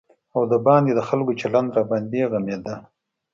او د باندې د خلکو چلند راباندې غمېده.